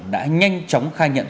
đã nhanh chóng khai nhận